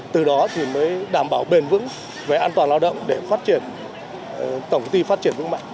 từ đó thì mới đảm bảo bền vững về an toàn lao động để phát triển tổng ty phát triển vững mạnh